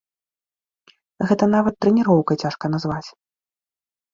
Гэта нават трэніроўкай цяжка назваць.